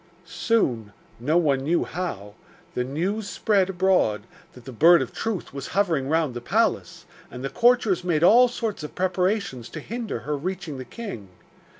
Soon no one knew how the news spread abroad that the Bird of Truth was hovering round the palace, and the courtiers made all sorts of preparations to hinder her reaching the king.